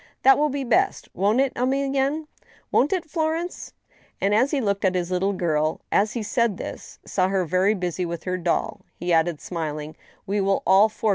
That will be best, won't it, Emilienne ? Won't it, Florence ?" And, as he looked at his little girl as he said this, and saw her very busy with her doll, he added, smiling :" We will all four go.